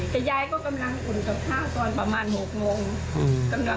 แต่ยายก็กำลังอุ่นกับข้าวตอนประมาณ๖โมง